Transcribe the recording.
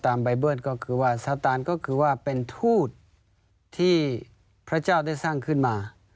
ใบเบิ้ลก็คือว่าสตานก็คือว่าเป็นทูตที่พระเจ้าได้สร้างขึ้นมา